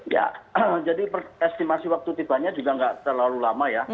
ya jadi estimasi waktu tiba tiba juga tidak terlalu lama ya